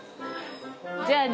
じゃあね。